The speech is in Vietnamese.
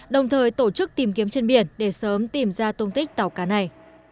đồng thời tổ chức tìm kiếm trên biển để sớm tìm ra tôn tích tàu cá này